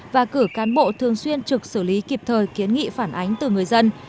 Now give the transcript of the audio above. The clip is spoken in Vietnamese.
và cử cán bộ thường xuyên trực xử lý kịp thời kiến nghị phản ánh từ người dân